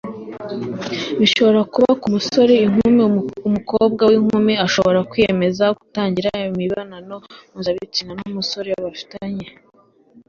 bishobora kuba ku musore inkumi umukobwa w inkumi ashobora kwiyemeza kutagirana imibonano mpuzabitsina n umusore bafitanye